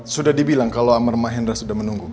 sudah dibilang kalau amar mahendra sudah menunggu